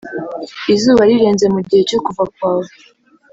izuba rirenze mu gihe cyo kuva kwawe